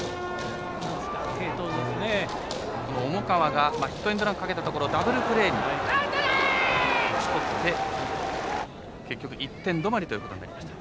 重川がヒットエンドランかけたところでダブルプレーに打ちとって結局１点止まりということになりました。